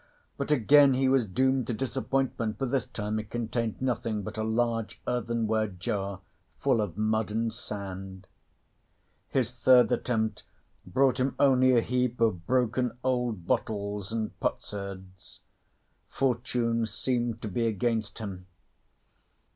But again he was doomed to disappointment, for this time it contained nothing but a large earthenware jar full of mud and sand. His third attempt brought him only a heap of broken old bottles and potsherds: fortune seemed to be against him.